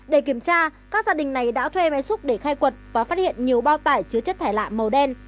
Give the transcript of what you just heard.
để kiểm tra các gia đình này đã thuê máy xúc để khai quật và phát hiện nhiều bao tải chứa chất thải lạ màu đen